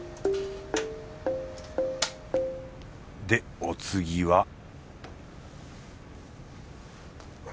でお次は